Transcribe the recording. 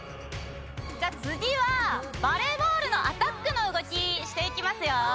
じゃあつぎはバレーボールのアタックのうごきしていきますよ！